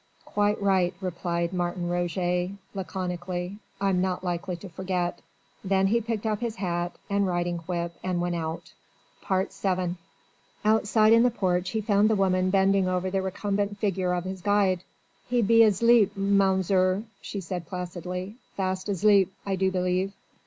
"Quite right," replied Martin Roget laconically. "I'm not like to forget." He then picked up his hat and riding whip and went out. VII Outside in the porch he found the woman bending over the recumbent figure of his guide. "He be azleep, Mounzeer," she said placidly, "fast azleep, I do believe."